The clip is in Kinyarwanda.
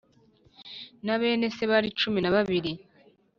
na bene se bari cumi na babiri